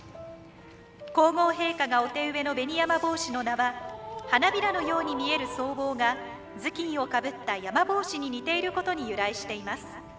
皇后陛下がお手植えのベニヤマボウシの名は花びらのように見える総包が頭巾をかぶった山法師に似ていることに由来しています。